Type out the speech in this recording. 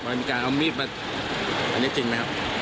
มันมีการเอามีดมาอันนี้จริงไหมครับ